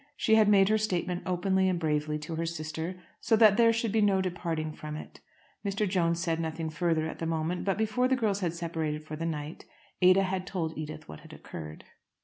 She had made her statement openly and bravely to her sister, so that there should be no departing from it. Mr. Jones said nothing further at the moment, but before the girls had separated for the night Ada had told Edith what had occurred.